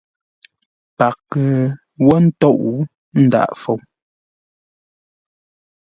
Paghʼə wó ntôʼ, ndǎghʼ fou.